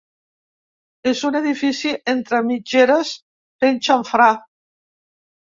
És un edifici entre mitgeres fent xamfrà.